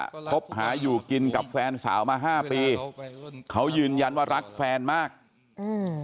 คบหาอยู่กินกับแฟนสาวมาห้าปีเขายืนยันว่ารักแฟนมากอืม